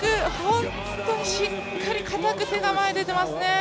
本当にしっかり手が前に出ていますね。